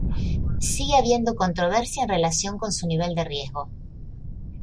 Sigue habiendo controversia en relación con su nivel de riesgo.